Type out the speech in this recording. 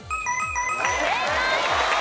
正解！